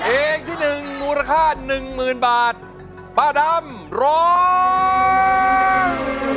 เอกที่๑มูรค่า๑หมื่นบาทประดำร้อง